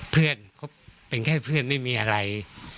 เพื่อนคบเป็นแค่เพื่อนไม่มีอะไร